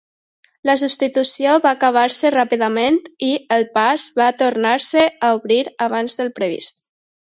La substitució va acabar-se ràpidament i el pas va tornar-se a obrir abans del previst.